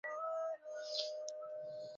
একবার উঁচু হয়, একবার নিচু হয়।